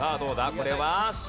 これは。